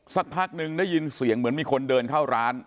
สักพักนึงได้ยินเสียงเหมือนมีคนเดินเข้าร้าน